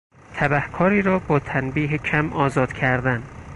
تبهکاری را با تنبیه کم آزاد کردن